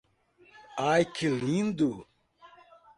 Ai que lindo!